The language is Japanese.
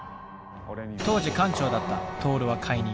当時艦長だったトオルは解任。